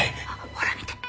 ほら見て。